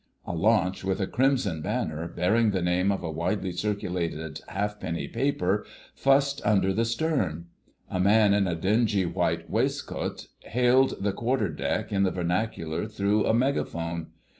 A launch with a crimson banner, bearing the name of a widely circulated halfpenny paper, fussed under the stern. A man in a dingy white waistcoat hailed the quarter deck in the vernacular through a megaphone.